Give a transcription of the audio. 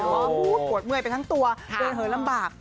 ปวดเมื่อยไปทั้งตัวเดินเหินลำบาก